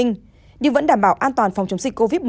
nhưng vẫn đảm bảo an toàn phòng chống dịch covid một mươi chín